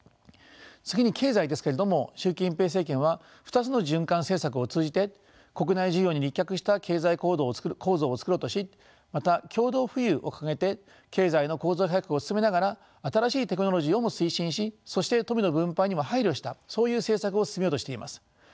次に経済ですけれども習近平政権は２つの循環政策を通じて国内需要に立脚した経済構造を作ろうとしまた共同富裕を掲げて経済の構造改革を進めながら新しいテクノロジーをも推進しそして富の分配にも配慮したそういう政策を進めようとしています。